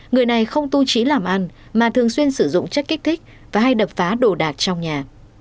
người này không tu trí làm ăn mà thường xuyên sử dụng chất kích thích và hay đập phá đồ đạc trong nhà